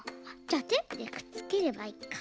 じゃテープでくっつければいいか。